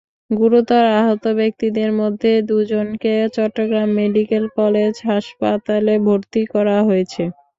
গুরুতর আহত ব্যক্তিদের মধ্যে দুজনকে চট্টগ্রাম মেডিকেল কলেজ হাসপাতালে ভর্তি করা হয়েছে।